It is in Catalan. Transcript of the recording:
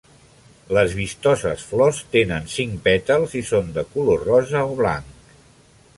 Les vistoses flors tenen cinc pètals, i són de color rosa o blanc.